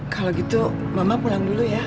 kalau gitu mama pulang dulu ya